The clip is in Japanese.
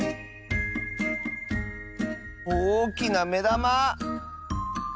おおきなめだま！